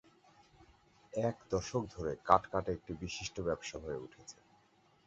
এক দশক ধরে কাঠ কাটা একটি বিশিষ্ট ব্যবসা হয়ে উঠেছে।